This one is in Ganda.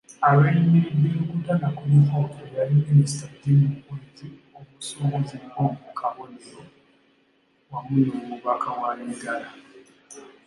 Abeeyimiridde Rukutana kuliko; eyali Minisita Jim Muhwezi, omusuubuzi Bob Kabonero wamu n'Omubaka wa Igara.